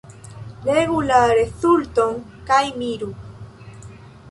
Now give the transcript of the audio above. Legu la rezulton kaj miru.